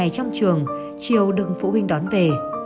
trong trường chiều đừng phụ huynh đón về